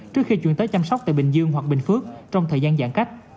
trước khi chuyển tới chăm sóc tại bình dương hoặc bình phước trong thời gian giãn cách